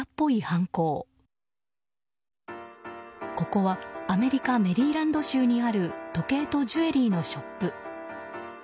ここはアメリカ・メリーランド州にある時計とジュエリーのショップ。